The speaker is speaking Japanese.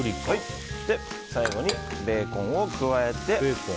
最後にベーコンを加えて。